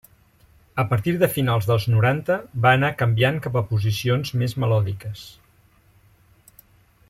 A partir de finals dels noranta va anar canviant cap a posicions més melòdiques.